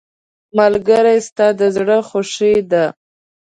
ملګری ستا د زړه خوښي ده.